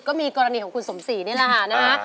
ก็มีกรณีของคุณสมศรีนี่แหละค่ะนะฮะ